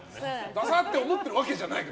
ダサいって思っているわけじゃない。